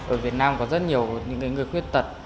ở việt nam có rất nhiều người khuyết tật